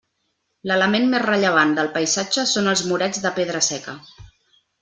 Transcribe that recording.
L'element més rellevant del paisatge són els murets de pedra seca.